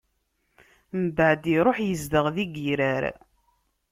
Mbeɛd iṛuḥ izdeɣ di Girar.